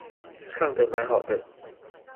唱的蠻好的